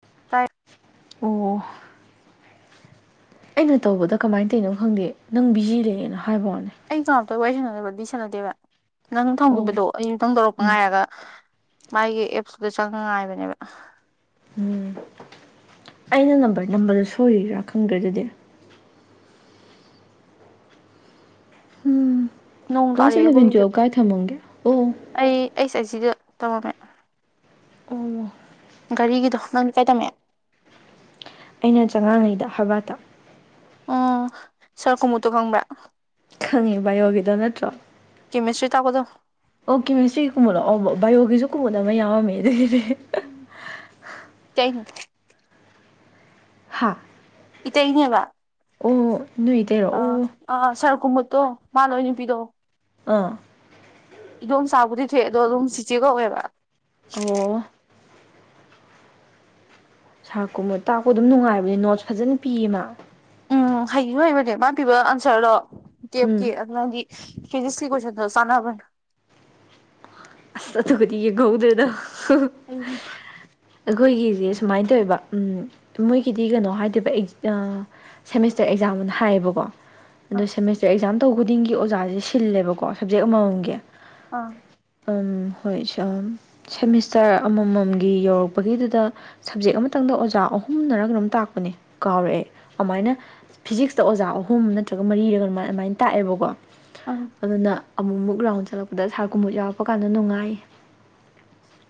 [unintelligible] ꯑꯣ ꯑꯩꯅ ꯇꯧꯕꯗ ꯀꯃꯥꯏꯅ ꯇꯧꯅꯣ ꯈꯪꯗꯦ ꯅꯪ ꯕꯤꯖꯤ ꯂꯩꯅ ꯍꯥꯏꯕ ꯋꯥꯅꯦ ꯑꯩ ꯀꯅꯥꯝꯇ ꯋꯥꯔꯤ ꯁꯥꯟꯅꯗꯦꯕꯗꯤ ꯁꯥꯟꯅꯗꯦꯕ ꯅꯪ ꯑꯣ ꯊꯝꯈꯤꯕꯗꯣ ꯑꯌꯨꯛꯇꯪ ꯇꯧꯔꯛꯄ ꯎꯝ ꯉꯥꯏꯔꯒ ꯃꯥꯒꯤ ꯑꯦꯞꯁꯇꯨꯗ ꯆꯪꯉꯥꯏꯕꯅꯦꯕ ꯎꯝ ꯑꯩꯅ ꯅꯝꯕꯔ ꯅꯝꯕꯔꯗꯣ ꯁꯣꯏꯔꯥ ꯈꯪꯗ꯭ꯔꯦ ꯑꯗꯨꯗꯤ ꯎꯝ ꯅꯣꯡ ꯀ꯭ꯂꯥꯁ ꯇꯥꯔꯛꯑꯦ ꯏꯂꯚꯦꯟ ꯑꯩꯈꯣꯏꯒꯤꯁꯨ ꯇꯨꯋꯦꯜꯕ ꯀꯥꯏ ꯊꯝꯃꯝꯒꯦ ꯑꯣ ꯑꯩ ꯑꯩꯁ ꯑꯩꯆ ꯁꯤꯗ ꯇꯧꯔꯝꯃꯦ ꯑꯣꯃ ꯒꯥꯔꯤꯒꯤꯗꯣ ꯅꯪꯗꯤ ꯀꯥꯏ ꯇꯝꯃꯛꯑꯦ ꯑꯩꯅ ꯆꯉꯥꯡꯉꯩꯗ ꯍꯕꯥꯠꯇ ꯎꯝ ꯁꯥꯔ ꯀꯨꯝꯃꯨꯠꯇꯣ ꯈꯪꯕ꯭ꯔ ꯈꯪꯉꯤ ꯕꯥꯏꯌꯣꯒꯤꯗꯣ ꯅꯠꯇ꯭ꯔꯣ ꯀꯦꯃꯤꯁꯇ꯭ꯔꯤ ꯇꯀꯣꯗꯣ ꯑꯣꯀꯦ ꯃꯤꯁꯇꯔꯤ ꯀꯨꯝꯕ ꯂꯥꯛꯑꯣꯕ ꯕꯥꯏꯑꯣꯒꯤꯁꯨ ꯀꯨꯝꯕꯣꯟꯗ ꯑꯃ ꯌꯥꯔꯝꯃꯦ ꯑꯗꯨꯒꯤꯗꯤ ꯎꯝ ꯀ ꯍꯥ ꯏꯇꯩꯅꯦꯕ ꯑꯣ ꯅꯣꯏꯏ ꯇꯔꯣ ꯑꯣ ꯑ ꯁꯔ ꯀꯨꯝꯃꯠꯇꯣ ꯃꯥꯅ ꯑꯣꯏꯅꯅꯤꯄꯤꯗꯣ ꯑꯥ ꯏꯗꯣꯝ ꯁꯥꯕꯨꯗꯤ ꯊꯣꯛꯑꯦ ꯑꯗꯣ ꯑꯗꯨꯝ ꯁꯤꯆꯦ ꯀꯧꯋꯦꯕ ꯑꯣ ꯁꯥꯔꯀꯨꯝꯕ ꯇꯥꯛꯄ ꯑꯗꯨꯝ ꯅꯨꯡꯉꯥꯏꯕꯅꯦ ꯅꯣꯠꯁ ꯐꯖꯅ ꯄꯤꯌꯦ ꯃꯥ ꯎꯝ ꯍꯩ ꯍꯩꯕꯅꯦ ꯃꯥ ꯄꯤꯕ ꯑꯟꯁꯔꯗꯣ ꯀꯦꯞꯀꯤ ꯎꯝ ꯑꯗꯨꯅꯪꯗꯤ ꯁꯤꯖꯤꯁ ꯀ ꯁꯅꯕ ꯑ ꯑꯗꯨ ꯈꯔꯤ ꯌꯦ ꯀꯧꯗꯦꯗ ꯑ ꯑꯩꯈꯣꯏꯒꯤꯁꯦ ꯁꯨꯃꯥꯏꯅ ꯇꯧꯋꯦꯕ ꯎꯝ ꯃꯣꯏꯒꯤꯗꯤ ꯀꯩꯅꯣ ꯍꯥꯏꯗꯕ ꯁꯦꯃꯤꯁꯇꯔ ꯑꯦꯛꯖꯥꯝꯅ ꯍꯥꯏꯌꯦꯕꯀꯣ ꯑꯣ ꯑꯥ ꯁꯦꯃꯤꯁꯇꯔ ꯑꯦꯛꯖꯥꯝ ꯇꯧꯕ ꯈꯨꯗꯤꯡꯒꯤ ꯑꯣꯖꯥꯁꯦ ꯁꯤꯜꯂꯦꯕꯀꯣ ꯁꯞꯖꯦꯛ ꯑꯃꯃꯝꯒꯤ ꯑꯥ ꯍꯣꯏ ꯁꯦꯃꯤꯁꯇꯔ ꯑꯃꯃꯝꯒꯤ ꯌꯧꯔꯛꯄꯒꯤꯗꯨꯗ ꯁꯞꯖꯦꯛ ꯑꯃꯇꯪꯗ ꯑꯣꯖꯥ ꯑꯍꯨꯝꯅꯔ ꯀꯅꯣꯝ ꯇꯥꯛꯄꯅꯦ ꯀꯥꯎꯔꯛꯑꯦ ꯑꯗꯨꯃꯥꯏꯅ ꯐꯤꯖꯤꯛꯁꯇ ꯑꯣꯖꯥ ꯑꯍꯨꯝ ꯅꯠꯇ꯭ꯔꯒ ꯃꯔꯤꯔ ꯑꯗꯨꯃꯥꯏꯅ ꯇꯥꯛꯑꯦꯕꯀꯣ ꯑꯥ ꯑꯗꯨꯅ ꯑꯃꯨꯛꯃꯨꯛ ꯔꯥꯎꯟ ꯆꯠꯂꯛꯄꯗ ꯁꯥꯔ ꯀꯨꯝꯃꯣꯛ ꯌꯥꯎ ꯊꯣꯛꯄ ꯀꯥꯟꯗ ꯅꯨꯡꯉꯥꯏ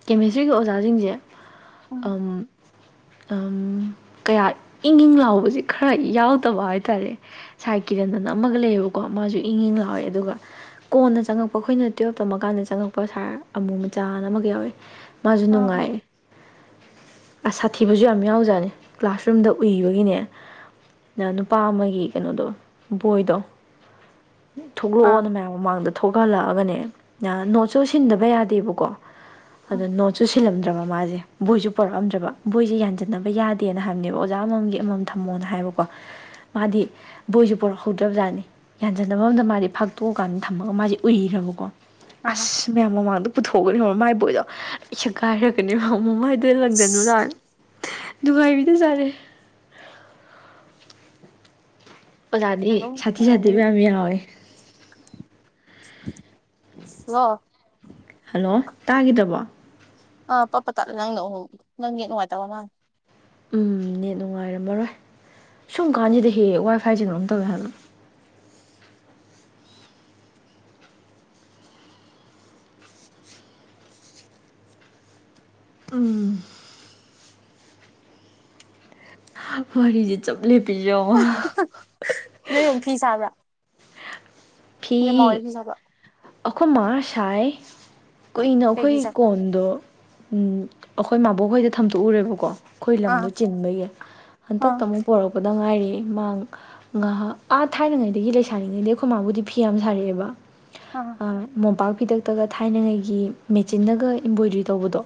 ꯀꯦꯃꯤꯁꯇ꯭ꯔꯤꯒꯤ ꯑꯣꯖꯥꯁꯤꯡꯁꯦ ꯑꯥ ꯑ ꯀꯌꯥ ꯏꯪ ꯏꯪ ꯂꯥꯎꯕꯁꯦ ꯈꯔ ꯌꯥꯎꯗꯕ ꯍꯥꯏꯇꯥꯔꯦ ꯁꯥꯏ ꯀꯤꯔꯟꯗꯅ ꯑꯃꯒ ꯂꯩꯌꯦꯕꯀꯣ ꯃꯥꯁꯨ ꯏꯪ ꯏꯪ ꯂꯥꯎꯋꯦ ꯑꯗꯨꯒ ꯀꯣꯟꯅ ꯆꯪꯉꯛꯄ ꯑꯩꯈꯣꯏꯅ ꯇꯨꯌꯦꯜꯞ ꯇ ꯃ ꯀꯥꯟꯗ ꯆꯪꯉꯛꯄ ꯁꯥꯔ ꯑꯃꯨ ꯃꯆꯥꯅ ꯑꯃꯒ ꯌꯥꯎꯋꯦ ꯃꯥꯁꯨ ꯑꯥ ꯅꯨꯡꯉꯥꯏ ꯑꯁ ꯁꯥꯊꯤꯕꯁꯨ ꯌꯥꯝ ꯌꯥꯎꯖꯥꯠꯅꯤ ꯀ꯭ꯂꯥꯁꯔꯨꯝꯗ ꯎꯏꯕꯒꯤꯅꯦ ꯅ ꯅꯨꯄꯥ ꯑꯃꯒꯤ ꯀꯩꯅꯣꯗꯣ ꯕꯣꯏꯗꯣ ꯑꯥ ꯊꯣꯛꯂꯛꯑꯣꯅ ꯃꯌꯥꯝ ꯃꯃꯥꯡꯗ ꯊꯣꯛꯍꯜꯂꯛꯑꯒꯅꯦ ꯅꯣꯠꯁꯨ ꯁꯤꯟꯗꯕ ꯌꯥꯗꯦꯕꯀꯣ ꯑꯗ ꯎꯝ ꯅꯣ ꯆ ꯁꯤꯜꯂꯝꯗ꯭ꯔꯕ ꯃꯥꯁꯦ ꯕꯣꯏꯁꯨ ꯄꯣꯔꯛꯑꯝꯗ꯭ꯔꯕ ꯕꯣꯏꯁꯦ ꯌꯥꯟꯁꯤꯟꯅꯕ ꯌꯥꯗꯦꯅ ꯍꯥꯏꯕꯅꯦꯕ ꯑꯣꯖꯥ ꯑꯃꯃꯝꯒꯤꯝ ꯊꯝꯃꯣꯅ ꯍꯥꯏꯕꯀꯣ ꯃꯥꯗꯤ ꯕꯣꯏꯁꯨ ꯄꯣꯔꯛꯍꯧꯗ꯭ꯔꯕꯖꯥꯠꯅꯤ ꯌꯥꯟꯖꯟꯅꯕ ꯑꯝꯗ ꯃꯥꯗꯤ ꯐꯥꯛꯇꯣꯛꯑꯀꯥꯟꯗ ꯊꯝꯃꯒ ꯃꯥꯁꯦ ꯎꯏꯕꯀꯣ ꯑꯥ ꯑꯁ ꯃꯌꯥꯝ ꯃꯃꯥꯡꯗ ꯄꯨꯊꯣꯛꯑꯒꯅꯤ ꯃꯃꯥꯏꯕꯣꯏꯗꯣ ꯁꯦꯒꯥꯏꯔꯒꯅꯤ ꯃꯃꯥꯏꯗꯣ ꯑꯗꯨ ꯂꯪꯗꯅꯨ ꯂꯥꯛ ꯅꯨꯡꯉꯥꯏꯕꯤꯗ ꯆꯥꯔꯦ ꯑꯣꯖꯥꯗꯤ ꯁꯥꯊꯤ ꯁꯥꯊꯤꯕ ꯌꯥꯝ ꯌꯥꯎꯋꯦ ꯋꯥ ꯍꯜꯂꯣ ꯇꯥꯈꯤꯗꯕꯣ ꯑꯥ ꯄꯞꯄ ꯇꯥꯠꯂ ꯅꯪꯅ ꯎ ꯅꯪꯒꯤ ꯅꯨꯡꯉꯥꯏꯇꯕ ꯃꯥꯜ ꯎꯝ ꯅꯦꯠ ꯅꯨꯡꯉꯥꯏꯔꯝꯃꯔꯣꯏ ꯁꯨꯝ ꯀꯥꯟꯁꯤꯗ ꯍꯦ ꯋꯥꯏꯐꯥꯏꯁꯦ ꯀꯩꯅꯣꯝ ꯇꯧꯋꯦ ꯍꯥꯏꯕ꯫ ꯎꯝ꯫ ꯋꯥꯔꯤꯁꯦ ꯆꯞ ꯂꯦꯞꯄꯤꯁ ꯌꯦꯉꯣ꯫ ꯅꯣꯏꯔꯨꯛ ꯐꯤ ꯁꯥꯕ꯭ꯔꯥ꯫ ꯐꯤ ꯅꯣꯏ ꯃꯥ ꯍꯣꯏ ꯐꯤ ꯁꯥꯕ꯭ꯔꯥ ꯑꯩꯈꯣꯏ ꯃꯥ ꯁꯥꯏ꯫ ꯀꯨꯏꯅ ꯀꯩ ꯑꯩꯈꯣꯏ ꯐꯤ ꯁꯥꯕ꯭ꯔꯥ ꯀꯣꯟꯗꯣ ꯑꯩꯈꯣꯏ ꯃꯥꯕꯣꯛꯈꯣꯏꯗ ꯊꯝꯗꯣꯛꯎꯔꯦꯕꯀꯣ꯫ ꯑꯩꯈꯣꯏ ꯂꯝꯗꯣ ꯑꯥ ꯆꯤꯟꯕꯥꯏ ꯑꯥ ꯍꯟꯗꯛꯇ ꯑꯃꯨꯛ ꯄꯣꯔꯛꯄ꯫ ꯄꯨꯔꯛꯄꯗ ꯉꯥꯏꯔꯤꯌꯦ ꯃꯥ ꯑꯥ ꯊꯥꯏꯅꯉꯩꯗꯒꯤ ꯂꯩꯁꯥꯔꯤꯉꯩꯗꯒꯤ ꯑꯩꯈꯣꯏ ꯃꯥꯕꯨꯗꯤ꯫ ꯐꯤ ꯌꯥꯝ ꯁꯥꯔꯛꯑꯦꯕ꯫ ꯑ꯫ ꯃꯣꯝꯄꯥꯛ ꯐꯤꯗꯛꯇꯒ ꯊꯥꯏꯅꯉꯩꯒꯤ ꯃꯦꯆꯤꯟꯅꯒ ꯏꯝꯕꯣꯏꯗ꯭ꯔꯤ ꯇꯧꯕꯗꯣ꯫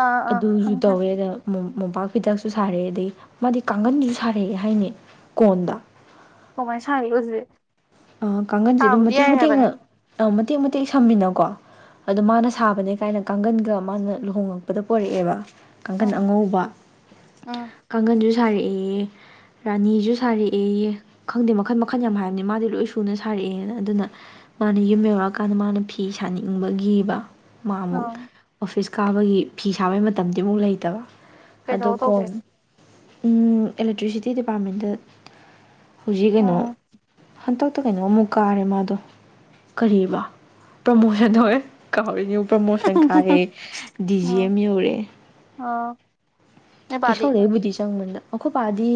ꯑꯥ ꯑꯥ ꯑꯗꯨꯁꯨ ꯈꯪꯉꯦ ꯈꯪꯉꯦ ꯇꯧꯋꯦꯗ꯫ ꯃꯣꯝꯄꯥꯛ ꯐꯤꯗꯛꯁꯨ ꯁꯥꯔꯦ ꯑꯗꯒꯤ ꯃꯥꯗꯤ ꯀꯥꯡꯒꯟꯁꯨ ꯁꯥꯔꯛꯑꯦ ꯍꯥꯏꯅꯦ ꯀꯣꯟꯗ꯫ ꯀꯃꯥꯏ ꯁꯔꯤꯕ ꯑꯗꯨꯗꯗꯤ꯫ ꯑ ꯀꯥꯡꯒꯟꯁꯦ ꯑꯗꯨꯝ ꯃꯇꯦꯛ ꯃꯇꯦꯛꯅ ꯑ ꯃꯇꯦꯛ ꯃꯇꯦꯛ ꯁꯝꯃꯤꯅꯀꯣ꯫ ꯑꯗꯣ ꯃꯥꯅ ꯎꯝ ꯁꯥꯕꯅꯦ ꯀꯥꯏꯅ ꯀꯥꯡꯒꯟꯒ ꯃꯥꯅ ꯂꯨꯍꯣꯡꯉꯛꯄꯗ ꯄꯣꯔꯛꯑꯦꯕ꯫ ꯀꯥꯡꯈꯟ ꯎꯝ ꯑꯉꯧꯕ ꯀꯥꯡꯈꯟꯁꯨ ꯁꯥꯔꯛꯑꯦꯌꯦ꯫ ꯔꯥꯅꯤꯁꯨ ꯁꯥꯔꯛꯑꯦꯌꯦ ꯈꯪꯗꯦ ꯃꯈꯜ ꯃꯈꯜ ꯌꯥꯝ ꯍꯥꯏꯕꯅꯤꯅꯦ ꯃꯥꯗꯤ ꯂꯣꯏ꯫ ꯁꯨꯅ ꯁꯥꯔꯛꯑꯦꯅ ꯑꯗꯨꯅ ꯃꯥꯅ ꯌꯨꯝ ꯌꯧꯔꯛꯑꯀꯥꯟꯗ ꯃꯥꯅ ꯐꯤ ꯁꯥꯅꯤꯡꯅꯤꯡꯕꯒꯤꯕ꯫ ꯃꯥ ꯑꯃꯨꯛ ꯎꯝ ꯑꯣꯐꯤꯁ ꯀꯥꯕꯒꯤ ꯐꯤ ꯁꯥꯕꯩ ꯃꯇꯝꯗꯤ ꯑꯃꯨꯛ ꯂꯩꯇꯕ꯫ ꯑꯣ ꯀꯩꯊꯧ ꯇꯧꯒꯦ ꯀꯣꯟ ꯎꯝ ꯑꯦꯂꯦꯛꯇ꯭ꯔꯤꯁꯤꯇꯤ ꯗꯤꯄꯥꯔꯠꯃꯦꯟꯗ꯫ ꯍꯧꯖꯤꯛꯒꯩꯅꯣ ꯎꯝ ꯍꯟꯇꯛ꯫ ꯍꯥꯟꯗꯛ ꯀꯩꯅꯣꯃꯃꯨꯛ ꯀꯥꯔꯦ ꯃꯥꯗꯣ ꯀꯔꯤꯕ ꯄ꯭ꯔꯃꯣꯁꯟꯗꯣ ꯍꯦ꯫ ꯀꯥꯎꯔꯤꯁꯦ ꯌꯦꯡꯌꯨ ꯄ꯭ꯔꯃꯣꯁꯟ ꯀꯥꯔꯦ ꯗꯤ ꯖꯤ ꯎꯝ ꯑꯦꯝ ꯌꯧꯔꯦ꯫ ꯑꯥ꯫ ꯅꯣꯏ ꯕꯥꯗꯤ ꯑꯦꯁꯣꯅꯦꯕꯨꯗꯤ ꯆꯪꯕꯅꯤꯗ ꯑꯩꯈꯣꯏ ꯄꯗꯤ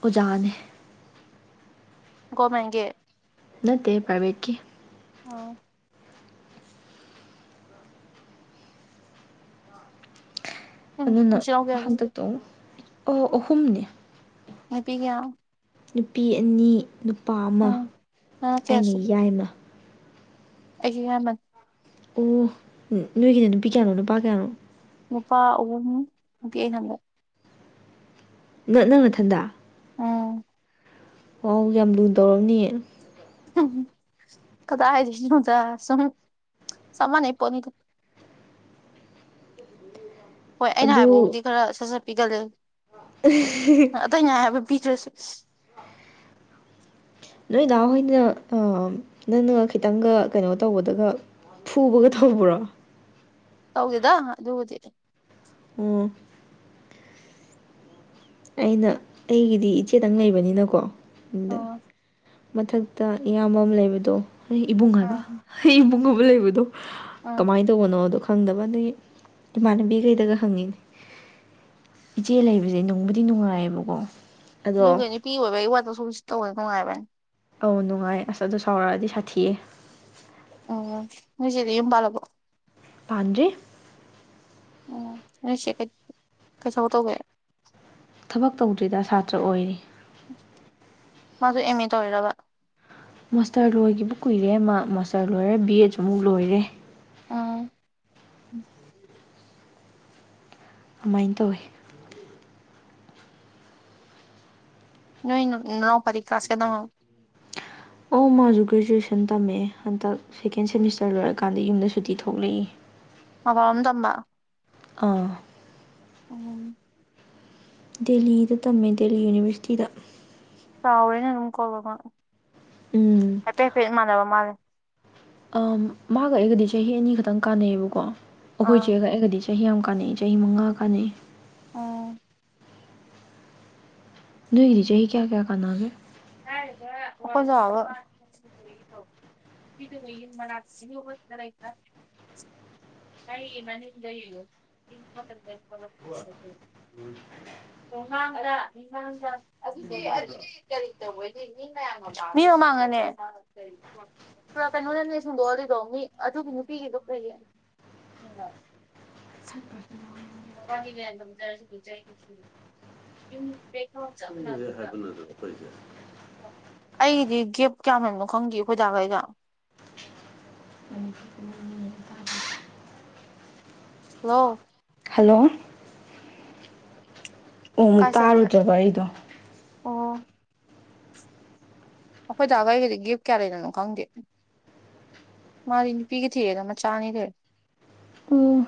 ꯑꯣꯖꯥꯅꯦ꯫ ꯒꯣꯃꯦꯟꯒꯤ꯫ ꯅꯠꯇꯦ ꯄꯥꯔꯏꯕꯦꯠꯀꯤ꯫ ꯑ꯫ ꯎꯝ ꯑꯗꯨꯅ ꯅꯆꯤꯟꯅꯥꯎ ꯀꯌꯥꯅꯣ ꯍꯟꯗꯛꯇꯣ ꯃꯨꯛ ꯑꯍꯨꯝꯅꯦ꯫ ꯍꯦꯄꯤꯒ [unintelligible] ꯅꯨꯄꯤ ꯑꯅꯤ ꯅꯨꯄꯥ ꯑꯃ ꯎꯝ ꯅꯪꯅ ꯀꯌꯥ ꯑꯩꯅ ꯁꯨꯕ ꯌꯥꯏꯃ꯫ ꯑꯩꯁꯨ ꯌꯥꯏꯃꯅꯦ꯫ ꯑꯣ ꯅꯣꯏꯒꯤꯅ ꯅꯨꯄꯤ ꯀꯌꯥꯅꯣ ꯅꯨꯄꯥ ꯀꯌꯥꯅꯣ꯫ ꯅꯨꯄꯥ ꯑꯍꯨꯝ ꯅꯨꯄꯤ ꯑꯩꯅꯃꯨꯛ꯫ ꯅꯥ ꯅꯪ ꯅꯥꯊꯟꯗ꯫ ꯎꯝ꯫ ꯑꯣ ꯌꯥꯝ ꯂꯨ ꯇꯧꯔꯝꯅꯤꯌꯦ꯫ ꯀꯗ ꯗꯩꯅꯣꯗ ꯁꯨꯝ ꯆꯥꯞ ꯃꯥꯟꯅꯩꯏꯄꯣꯅꯤꯗ꯫ ꯍꯣꯏ ꯑꯩꯅ ꯑꯗꯨ ꯍꯥꯏꯕꯕꯨꯗꯤ ꯈꯔ ꯁꯠ ꯁꯠꯄꯤꯒꯜꯂꯦ꯫ ꯎ [unintelligible] ꯑꯇꯩꯩꯅ ꯍꯥꯏꯕ ꯄꯤꯗ꯭ꯔꯁꯨ꯫ ꯅꯣꯏꯗꯥ ꯍꯣꯏꯅ ꯅꯪꯅ ꯈꯤꯇꯪꯒ ꯀꯩꯅꯣ ꯇꯧꯕꯗꯒ꯫ ꯐꯨꯕꯒ ꯊꯧꯕ꯭ꯔꯣ꯫ ꯇꯧꯗꯦꯗ ꯑꯗꯨꯕꯨꯗꯤ꯫ ꯑꯣ꯫ ꯑꯩꯅ ꯑꯩꯒꯤꯗꯤ ꯏꯆꯦꯗꯪ ꯂꯩꯕꯅꯤꯅꯀꯣ ꯑꯗꯨꯗ꯫ ꯑꯥ ꯃꯊꯛꯇ ꯏꯌꯥꯝꯕ ꯑꯃ ꯂꯩꯕꯗꯣ ꯑꯩ ꯏꯕꯨꯡ ꯍꯥꯏꯕ ꯑꯥ ꯑꯩ ꯏꯕꯨꯡ ꯑꯃ ꯂꯩꯕꯗꯣ꯫ ꯑꯥ ꯀꯃꯥꯏꯅ ꯇꯧꯕꯅꯣꯗꯣ ꯈꯪꯗꯕ ꯑꯗꯨꯒꯤ ꯏꯃꯥꯟꯅꯕꯤꯈꯩꯗꯒ ꯍꯪꯉꯤ꯫ ꯏꯆꯦ ꯂꯩꯕꯁꯦ ꯅꯨꯡꯕꯨꯗꯤ ꯅꯨꯡꯉꯥꯏꯌꯦꯕꯀꯣ꯫ ꯑꯗꯣ ꯨꯒꯅꯤ ꯄꯤ ꯑꯣꯏꯣꯏꯕ ꯑꯩ ꯋꯥꯗ ꯁꯨ ꯇꯧ ꯅꯨꯡꯉꯥꯏꯕꯅꯦ ꯑꯧ ꯅꯨꯡꯉꯥꯏ ꯑꯁ ꯑꯗꯨ ꯁꯥꯎꯔꯛꯑꯗꯤ ꯁꯥꯊꯤꯑ ꯑꯣ ꯍꯖꯗꯤ ꯌꯕꯥꯂꯕꯨꯣ ꯄꯥꯟꯖ ꯎꯝ ꯅꯁ ꯀꯩꯁꯧ ꯇꯧꯒꯦ ꯊꯕꯛ ꯇꯧꯗ꯭ꯔꯤꯗ ꯁꯥꯇ꯭ꯔ ꯑꯣꯏꯔꯤ ꯃꯥꯁꯨ ꯑꯦꯝ ꯑꯦ ꯇꯧꯔꯤꯔꯕ ꯃꯥꯁꯇꯔ ꯂꯣꯏꯈꯤꯕ ꯀꯨꯏꯔꯦ ꯃꯥ ꯃꯥꯁꯇꯔ ꯂꯣꯏꯔꯦ ꯕꯤ ꯑꯦꯗꯁꯨ ꯑꯃꯨꯛ ꯂꯣꯏꯔꯦ ꯑꯥ ꯑꯗꯨꯃꯥꯏꯅ ꯇꯧꯋꯤ ꯅꯣꯏ ꯅ ꯄꯔꯤ ꯀ꯭ꯔꯥꯁꯁꯤꯦꯗ ꯑꯣ ꯃꯥꯁꯨ ꯒ꯭ꯔꯦꯖꯨꯋꯦꯁꯟ ꯇꯝꯃꯦ ꯍꯟꯗꯛ ꯁꯦꯀꯦꯟ ꯁꯦꯃꯤꯁꯇꯔ ꯂꯣꯏꯔꯀꯥꯟꯗ ꯌꯨꯝꯗ ꯁꯨꯇꯤ ꯊꯣꯛꯂꯛꯏ ꯃ ꯋꯥꯝ ꯇꯝꯕ ꯑꯥ ꯎꯝ ꯗꯦꯜꯂꯤꯗ ꯇꯝꯃꯦ ꯗꯦꯜꯂꯤ ꯌꯨꯅꯤꯕꯔꯁꯤꯇꯤꯗ ꯆꯥꯎꯔꯦꯅ ꯑꯗꯨꯝ ꯀꯣꯜ ꯎꯝ ꯍꯥꯏꯐꯦꯠ ꯍꯥꯏꯐꯦꯠ ꯏ ꯃꯥꯟꯅꯕ ꯃꯥꯜꯂꯦ ꯃꯥꯒꯛ ꯑꯩꯔꯒꯗꯤ ꯆꯍꯤ ꯑꯅꯤ ꯈꯛꯇꯪ ꯀꯥꯟꯅꯩꯑꯕꯀꯣ ꯑꯩꯈꯣꯏ ꯑꯥ ꯆꯦꯒꯛꯑꯔꯒꯗꯤ ꯆꯦ ꯆꯍꯤ ꯌꯥꯝ ꯀꯥꯟꯅꯩ ꯆꯍꯤ ꯃꯉꯥ ꯀꯥꯟꯅꯩ ꯎꯝ ꯅꯅꯤ ꯆꯌꯦ ꯀꯌꯥ ꯀꯌꯥ ꯀꯅꯥꯒꯦ ꯑꯣ ꯀꯁꯨ ꯍꯥꯏꯕ ꯗꯉ ꯏ ꯃꯔꯅꯁꯤ ꯇꯔꯏ ꯈ ꯀꯥꯏꯒꯤ ꯃꯅꯤꯗ ꯍꯥ ꯇꯨꯍꯥꯡꯗ ꯏꯍꯥꯡꯗ ꯃꯤ ꯃꯃꯥꯡꯉꯅꯦ ꯄꯨꯔꯥ ꯀꯩꯅꯣꯗꯅꯦ ꯁꯟꯗꯣꯛꯑ ꯑꯗꯨꯏꯗꯣ ꯃꯤ ꯑꯗꯨꯒꯤ ꯅꯨꯄꯤꯒꯤꯗꯣ ꯀꯔꯤꯒꯤ ꯊꯠꯄꯁꯤ ꯍꯃ ꯀ ꯆꯔꯁꯤ ꯂꯕꯨ ꯆꯥꯏ ꯌ ꯦꯀꯥꯎ ꯆꯕ ꯂꯅꯤꯕ ꯑꯩꯗꯤ ꯒꯦꯞ ꯀꯌꯥꯃꯅꯣ ꯈꯪꯗꯦ ꯑꯣꯣꯏꯖꯥꯈꯩꯒ ꯃꯅꯤꯛꯇ ꯄꯨ ꯃꯤ ꯇꯕ ꯂ ꯍꯜꯂꯣ ꯑꯣꯃꯨꯛ ꯀꯥꯏ ꯆꯠꯈꯤꯕ ꯇꯥꯔꯨꯗ꯭ꯔꯕ ꯑꯩꯗꯣ ꯑꯣ ꯑꯩꯈꯣꯏ ꯖꯋꯥꯣꯏꯒꯤꯗꯤ ꯒꯤꯐ ꯀꯌꯥ ꯂꯩꯅꯣ ꯈꯪꯗꯦ ꯃꯥꯗꯤ ꯅꯨꯄꯤꯒ ꯊꯤꯑꯦꯗ ꯃꯆꯥꯅꯤ ꯂꯩ ꯑꯣ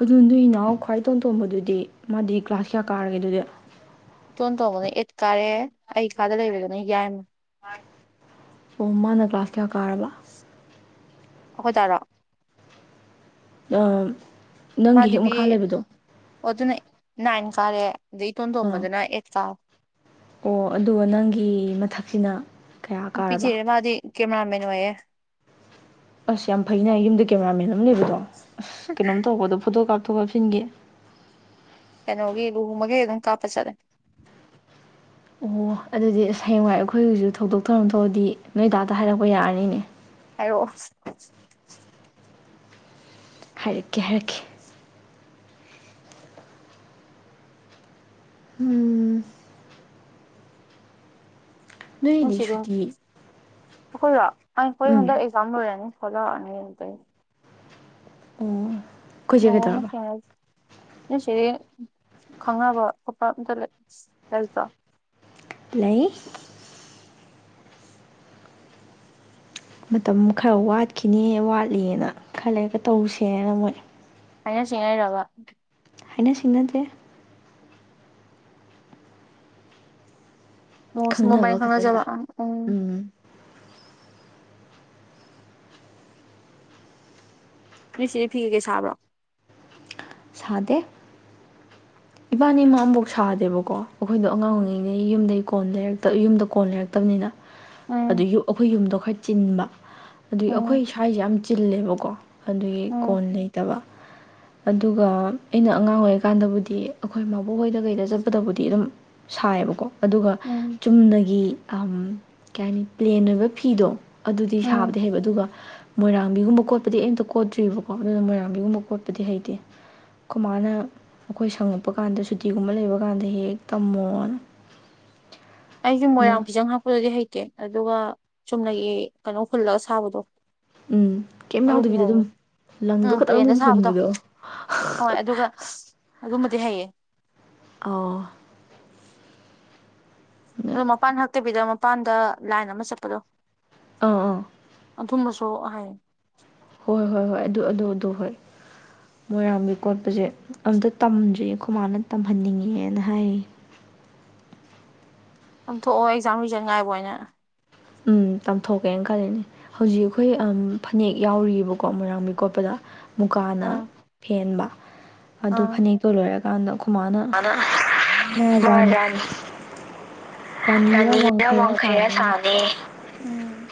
ꯑꯗꯨ ꯅꯣꯏ ꯏꯅꯥꯎ ꯈ꯭ꯋꯥꯏ ꯇꯣꯟꯝ ꯇꯣꯝꯕꯗꯨꯗꯤ ꯃꯥꯗꯤ ꯀ꯭ꯂꯥꯁ ꯀꯌꯥ ꯀꯥꯔꯒꯦ ꯑꯗꯨꯗꯤ ꯏꯇꯣꯟ ꯇꯣꯡꯧꯕꯅ ꯑꯦꯠ ꯀꯥꯔꯦ ꯑꯩ ꯏꯁꯥꯗ ꯂꯩꯕꯗꯨꯅ ꯌꯥꯏ ꯑꯣ ꯃꯥꯅ ꯀ꯭ꯂꯥꯁ ꯀꯌꯥ ꯀꯥꯔꯕ ꯑꯩꯈꯣꯏ ꯇꯥꯔꯣ ꯑ ꯃꯥꯗꯤꯕꯤ ꯑꯣ ꯑꯗꯨꯅ ꯅꯥꯏꯟ ꯀꯥꯔꯦ ꯑꯗꯩ ꯑꯥ ꯏꯇꯣꯟꯇꯣꯝꯕꯗꯨꯅ ꯑꯩꯠ ꯀꯥ ꯑꯣ ꯑꯗꯨꯒ ꯅꯪꯒꯤ ꯃꯊꯛꯁꯤꯅ ꯀꯌꯥ ꯅꯨꯄꯤ ꯀꯥꯔꯕ ꯆꯦꯔꯦ ꯃꯥꯗꯤ ꯀꯦꯃꯦꯔꯥꯃꯦꯟ ꯑꯣꯏꯌꯦꯦ ꯑꯁ ꯌꯥꯝ ꯐꯩꯅꯦ ꯌꯨꯝꯗ ꯀꯦꯃꯦꯔꯥ ꯃꯦꯟ ꯑꯃ ꯂꯩꯕꯗꯣ ꯑꯁ ꯀꯩꯅꯣꯝ ꯇꯧꯕꯗꯣ ꯐꯣꯇꯣ ꯀꯥꯞꯊꯣꯛ ꯀꯥꯞꯁꯤꯟꯒꯦ ꯀꯩꯅꯣꯒꯤ ꯂꯨꯍꯣꯡꯕꯒꯩ ꯑꯗꯨꯝ ꯀꯥꯞꯄ ꯆꯠꯂꯦ ꯑꯣ ꯑꯗꯨꯗꯤ ꯑꯁ ꯍꯌꯦꯡꯋꯥꯏ ꯑꯩꯈꯣꯏꯒꯤꯁꯨ ꯊꯧꯗꯣꯛ ꯊꯧꯔꯝ ꯇꯧꯔꯗꯤ ꯅꯣꯏ ꯇꯥꯛꯇ ꯍꯥꯏꯔꯛꯄ ꯌꯥꯔꯅꯤꯅꯦ ꯍꯥꯏꯔꯣ ꯍꯥꯏꯔꯛꯀꯦ ꯍꯥꯏꯔꯛꯈꯤ ꯎꯝ ꯅꯣꯏꯗꯤ ꯁꯨꯇꯤ ꯑꯈꯣꯏꯔꯣ ꯑꯩꯈꯣꯏ ꯎꯝ ꯍꯟꯗꯛ ꯑꯦꯛꯖꯥꯝ ꯂꯣꯏꯔꯅꯤ ꯈꯣꯂꯥꯑꯅꯤ ꯎꯝ ꯅꯣꯡꯃ ꯃꯥ ꯊꯦꯡꯅꯖꯤ ꯅꯣꯏ ꯆꯦꯗꯤ ꯈꯪꯅꯕ ꯈꯣꯠꯄ ꯑꯝꯇ ꯂꯩ ꯂꯩꯇ꯭ꯔꯣ ꯂꯩ ꯃꯇꯝ ꯈꯔ ꯋꯥꯠꯈꯤꯅꯦ ꯋꯥꯠꯂꯤꯑꯥꯅ ꯈꯥ ꯂꯩꯔꯒ ꯇꯧꯁꯦꯅ ꯃꯣꯏ ꯍꯥꯏꯅ ꯁꯤꯡꯅꯩꯔꯕ ꯍꯥꯏꯅ ꯁꯤꯡꯅꯗꯦ ꯑꯣ ꯁꯨꯝ ꯃꯥꯕꯅꯤ ꯈꯪꯅꯕ ꯈꯛꯇꯗ ꯈꯥꯡꯅꯖꯕ ꯎꯝ ꯅꯣꯏꯆꯦꯗꯤ ꯐꯤ ꯀꯩ ꯀꯩ ꯁꯥꯕ꯭ꯔꯣ ꯁꯥꯗꯦ ꯏꯕꯥꯅꯤꯃꯛ ꯑꯃꯐꯧ ꯁꯥꯗꯦꯕꯀꯣ ꯑꯩꯈꯣꯏꯗꯣ ꯑꯉꯥꯡ ꯎꯝ ꯑꯣꯏꯔꯤꯉꯩꯅꯦ ꯌꯨꯝꯗꯩ ꯀꯣꯛ ꯌꯨꯝꯗ ꯀꯣꯟ ꯂꯩꯔꯛꯇꯕꯅꯤꯅ ꯎꯝ ꯑꯗꯒꯤ ꯑꯩꯈꯣꯏ ꯌꯨꯝꯗꯣ ꯆꯤꯟꯕ ꯑꯗꯨꯒꯤ ꯑꯩꯈꯣꯏ ꯎꯝ ꯁ꯭ꯋꯥꯏꯖꯦ ꯌꯥꯝ ꯆꯤꯜꯂꯦꯕꯀꯣ ꯑꯗꯨꯒꯤ ꯎꯝ ꯀꯣꯟ ꯂꯩꯇꯕ ꯑꯗꯨꯒ ꯑꯩꯅ ꯑꯉꯥꯡ ꯑꯣꯏꯔꯤꯀꯥꯟꯗꯕꯨꯗꯤ ꯑꯩꯈꯣꯏ ꯃꯕꯣꯛꯍꯣꯏꯗ ꯀꯩꯗ ꯆꯠꯄꯗꯕꯨꯗꯤ ꯑꯗꯨꯝ ꯁꯥꯏꯕꯀꯣ ꯑꯗꯨꯒ ꯎꯝ ꯆꯨꯝꯅꯒꯤ ꯑꯝ ꯀꯩ ꯍꯥꯏꯅꯤ ꯄ꯭ꯂꯦꯟ ꯑꯣꯏꯕ ꯐꯤꯗꯣ ꯑꯗꯨꯗꯤ ꯎꯝ ꯁꯥꯕꯗꯤ ꯍꯩꯕ ꯑꯗꯨꯒ ꯃꯣꯏꯔꯥꯡꯕꯤꯒꯨꯝꯕ ꯀꯣꯠꯄꯗꯤ ꯑꯩ ꯑꯝꯇ ꯀꯣꯠꯇ꯭ꯔꯤꯕꯀꯣ ꯑꯗꯨꯅ ꯃꯣꯏꯔꯥꯡꯕꯤꯒꯨꯝꯕ ꯀꯣꯠꯄꯗꯤ ꯍꯩꯇꯦ ꯑꯈꯣꯏ ꯃꯥꯅ ꯑꯩꯈꯣꯏ ꯁꯪꯉꯛꯄ ꯀꯥꯟꯗ ꯁꯨꯇꯤꯒꯨꯝꯕ ꯂꯩꯕ ꯀꯥꯟꯗ ꯍꯦꯛ ꯍꯦꯛ ꯇꯣꯝꯃꯣꯅ ꯑꯩꯖꯨ ꯃꯣꯏꯔꯥꯡ ꯐꯤꯖꯪ ꯍꯥꯛꯄꯗꯨꯗꯤ ꯍꯩꯇꯦ ꯑꯗꯨꯒ ꯆꯨꯝꯅꯒꯤ ꯀꯩꯅꯣ ꯍꯨꯜꯂꯒ ꯁꯥꯕꯗꯣ ꯎꯝ ꯀꯩꯝ ꯑꯗꯨꯗꯤ ꯌꯥꯎꯗꯕꯤꯗ ꯑꯗꯨꯝ ꯍꯩꯌꯦ ꯂꯪꯗꯣ ꯎꯝ ꯈꯇꯪ ꯄ꯭ꯂꯦꯟꯗ ꯑꯗꯨꯝ ꯁꯥꯕꯗꯣ ꯍꯨꯟꯕꯗꯣ ꯍꯣꯏ ꯑꯗꯨꯒ ꯑꯗꯨꯝꯕꯗꯤ ꯍꯩꯌꯦ ꯑꯣ ꯑꯗꯣ ꯃꯄꯥꯟ ꯍꯛꯇꯕꯤꯗ ꯃꯄꯥꯟꯗ ꯂꯥꯏꯟ ꯑꯃ ꯆꯠꯄꯗꯣ ꯑꯥ ꯑꯥ ꯑꯗꯨꯝꯕꯁꯨ ꯑꯣ ꯑꯍꯥꯏ ꯍꯣꯏ ꯍꯣꯏ ꯍꯣꯏ ꯑꯗꯨ ꯑꯗꯨ ꯑꯗꯨ ꯍꯣꯏ ꯃꯣꯏꯔꯥꯡꯕꯤ ꯀꯣꯠꯄꯁꯦ ꯑꯝꯇ ꯇꯝꯗ꯭ꯔꯤꯌꯦ ꯈꯣ ꯃꯥꯅ ꯇꯝꯍꯟꯅꯤꯡꯉꯦꯅ ꯍꯥꯏꯌꯦ ꯇꯝꯊꯣꯛꯑꯣ ꯑꯦꯛꯖꯥꯝ ꯔꯤꯖꯟ ꯉꯥꯏꯕ ꯑꯣꯏꯅ ꯎꯝ ꯇꯥꯝꯊꯣꯛꯀꯦꯅ ꯈꯜꯂꯤꯅꯦ ꯍꯧꯖꯤꯛ ꯑꯩꯈꯣꯏ ꯐꯅꯦꯛ ꯌꯥꯎꯔꯤꯑꯕꯀꯣ ꯃꯣꯏꯔꯥꯡꯕꯤ ꯀꯣꯠꯄꯗ ꯃꯨꯀꯥꯅ ꯑꯥ ꯐꯦꯟꯕ ꯑꯗꯨ ꯑꯥ ꯐꯅꯦꯛ ꯑꯗꯨ ꯂꯣꯏꯔꯀꯥꯟꯗ ꯑꯩꯈ ꯃꯥꯅ ꯃꯥ ꯔꯥꯅꯤ [unintelligible] ꯔꯥꯅꯤꯔ ꯋꯥꯡꯈꯩꯔ ꯁꯥꯅꯤ ꯎꯝ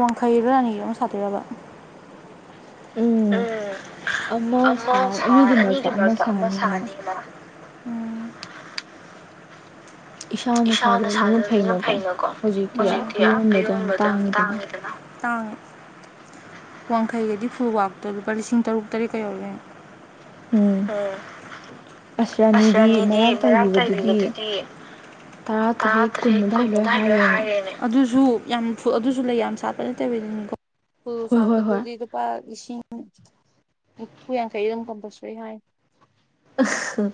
ꯋꯥꯡꯈꯩꯔ ꯔꯥꯅꯤꯒꯤꯔ ꯑꯃ ꯁꯥꯗꯣꯏꯔꯕ ꯎꯝ ꯑꯃ ꯁꯥ ꯑꯅꯤꯗꯨ ꯃꯔꯛꯇ ꯑꯃ ꯁꯥꯅꯤ ꯃꯥ ꯏꯁꯥꯅ ꯁꯥꯖꯕꯖꯤꯅ ꯐꯩꯅꯀꯣ ꯍꯧꯖꯤꯛꯇꯤ ꯑꯌꯣꯟꯕꯗꯣ ꯌꯥꯝ ꯇꯥꯡꯉꯤꯗꯅ ꯇꯥꯡ ꯋꯥꯡꯈꯩꯒꯤꯗꯤ ꯐꯨꯜꯋꯥꯛꯇꯣ ꯂꯨꯄꯥ ꯂꯤꯁꯤꯡ ꯇꯔꯨꯛ ꯇꯔꯦꯠꯀꯥ ꯌꯧꯋꯤ ꯀꯩꯅꯣ ꯎꯝ ꯑꯁ ꯔꯥꯅꯤꯗꯤ ꯃꯔꯥꯛ ꯇꯥꯏꯕꯤꯅꯤ ꯑꯗꯨꯗꯤ ꯇꯔꯥ ꯇꯔꯦꯠ ꯀꯨꯟ ꯑꯗꯨꯗꯥꯋꯥꯏ ꯂꯣꯏ ꯍꯥꯏꯔꯦꯅꯦ ꯑꯗꯨꯖꯨ ꯌꯥꯝ ꯐꯨꯜ ꯑꯗꯨꯁꯨ ꯂꯩ ꯌꯥꯝ ꯁꯥꯠꯄ ꯅꯠꯇꯕꯤꯅꯤꯀꯣ ꯐꯨꯜ ꯍꯣꯏ ꯁꯥ ꯍꯣꯏ ꯍꯣꯏ ꯀꯛꯄꯗꯗꯤ ꯂꯨꯄꯥ ꯂꯤꯁꯤꯡ ꯏꯅꯤꯐꯨ ꯌꯥꯡꯈꯩ ꯑꯗꯨꯝ ꯀꯝꯄꯜꯁꯔꯤ ꯍꯥꯏ ꯎꯁ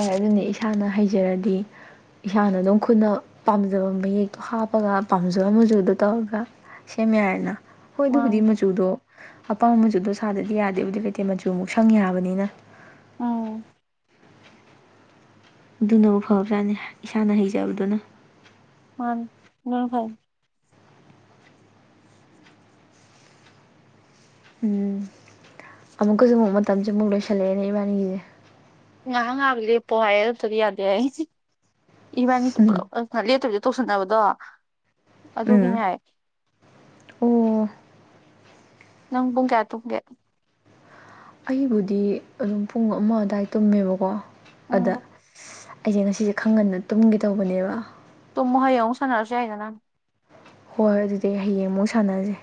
ꯍꯣꯏ ꯑꯗꯨꯅꯤ ꯏꯁꯥꯅ ꯍꯩꯖꯔꯗꯤ ꯏꯁꯥꯅ ꯑꯗꯨꯝ ꯈꯨꯠꯅ ꯄꯥꯝꯖꯕ ꯃꯌꯦꯛꯇꯣ ꯍꯥꯞꯄꯒ ꯄꯥꯝꯖꯕ ꯃꯖꯨꯗꯣ ꯇꯧꯔꯒ ꯁꯦꯝ ꯌꯥꯔꯦꯗꯅ ꯍꯣꯏ ꯑꯗꯨꯕꯨꯗꯤ ꯃꯥꯅꯤ ꯃꯆꯨꯗꯣ ꯑꯄꯥꯝꯕ ꯃꯆꯨꯗꯣ ꯁꯥꯗꯗꯤ ꯌꯥꯗꯦ ꯗꯤꯂꯩꯇꯦ ꯃꯆꯨ ꯑꯃꯨꯛ ꯁꯪ ꯌꯥꯕꯅꯤꯅ ꯎꯝ ꯑꯗꯨꯅꯕꯨꯨ ꯐꯕꯖꯥꯠꯅꯤ ꯏꯁꯥꯅ ꯍꯩꯖꯕꯗꯨꯅ ꯃꯥꯅꯦ ꯑꯗꯨꯅ ꯐꯥꯔꯦ ꯎꯝ ꯑꯃꯨꯛꯀꯖꯨ ꯑꯃꯨꯛ ꯃꯇꯝꯖꯦ ꯑꯃꯨꯛ ꯂꯣꯏꯁꯤꯜꯂꯛꯑꯦꯅꯦ ꯏꯕꯥꯅꯤꯒꯤꯖꯦ ꯉꯥꯏꯍꯥꯛ ꯉꯍꯥꯛ ꯂꯦꯄꯣ ꯍꯥꯏꯌꯦ ꯑꯗꯨ ꯅꯠꯇ꯭ꯔꯗꯤ ꯌꯥꯗꯦ ꯍꯥꯏ ꯏꯕꯅꯤꯗꯤ ꯄꯨꯜꯂꯞ ꯄꯨꯜꯂꯞ ꯑ ꯂꯦꯞꯇꯕꯤꯗ ꯇꯧꯁꯟꯅꯕꯗꯣ ꯑꯗꯨꯒꯤꯅꯦ ꯎꯝ ꯍꯥꯏꯌꯦ ꯑꯣ ꯅꯪ ꯄꯨꯨꯡ ꯀꯌꯥ ꯇꯨꯝꯒꯦ ꯑꯩꯕꯨꯗꯤ ꯑꯗꯨꯝ ꯄꯨꯡ ꯑꯃ ꯑꯗꯥꯏ ꯇꯨꯝꯃꯦꯕꯀꯣ ꯑꯗ ꯎꯝ ꯑꯩꯖꯦ ꯉꯁꯤꯁꯦ ꯈ ꯒꯟꯅ ꯇꯨꯝꯒꯦ ꯇꯧꯕꯅꯦꯕ ꯇꯨꯝꯃꯣ ꯍꯌꯦꯡ ꯑꯎ ꯁꯥꯟꯅꯔꯁꯨ ꯌꯥꯏꯗꯅ ꯍꯣꯏ ꯑꯗꯨꯗꯤ ꯍꯌꯦꯡ ꯑꯃꯨꯛ ꯁꯥꯟꯅꯖꯦ